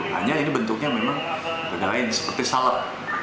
hanya ini bentuknya memang seperti salep